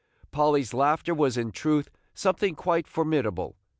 Polly's laughter was in truth something quite formidable.